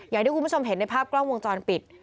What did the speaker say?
อย่างที่คุณผู้ชมเห็นในภาพกล้องวงจรปิด